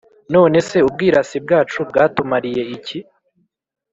None se ubwirasi bwacu bwatumariye iki?